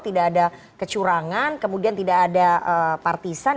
tidak ada kecurangan kemudian tidak ada partisan